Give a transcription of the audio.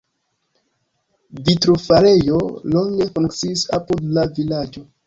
Vitrofarejo longe funkciis apud la vilaĝo.